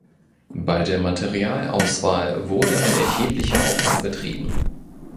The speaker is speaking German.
Bei der Materialauswahl wurde ein erheblicher Aufwand betrieben.